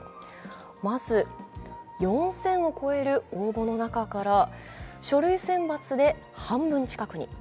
まず、４０００を超える応募の中から書類選抜で半分近くに。